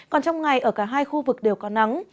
còn trong ngày ở cả hai khu vực đều có nắng